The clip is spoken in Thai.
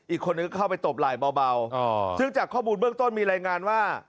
อีกคนนึงเข้าไปตบไหล่เบาซึ่งจากข้อมูลเบื้องต้นมีรายงานว่า